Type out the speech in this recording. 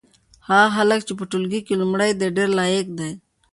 هغه هلک چې په ټولګي کې لومړی دی ډېر لایق دی.